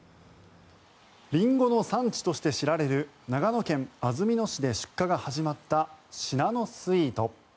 リンゴの産地として知られる長野県安曇野市で出荷が始まったシナノスイート。